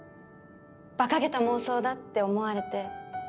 バカげた妄想だって思われて。